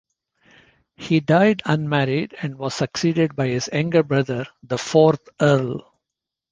He died unmarried and was succeeded by his younger brother, the fourth Earl.